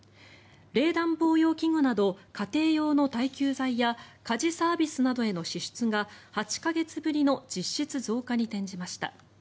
冷暖房用器具など家庭用の耐久財や家事サービスなどへの支出が８か月ぶりの実質増加に転じました。